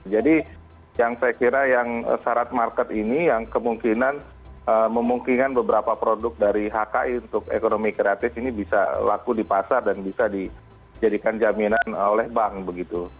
jadi yang saya kira yang syarat market ini yang kemungkinan memungkinkan beberapa produk dari hki untuk ekonomi kreatif ini bisa laku di pasar dan bisa dijadikan jaminan oleh bank begitu